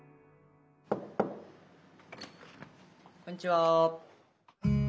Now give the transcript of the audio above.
こんにちは。